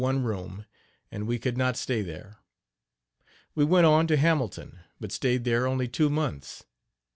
My wife's mother had but one room, and we could not stay there. We went on to Hamilton, but stayed there only two months.